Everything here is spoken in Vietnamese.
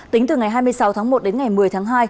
tính từ ngày hai mươi sáu tháng một đến ngày một mươi tháng hai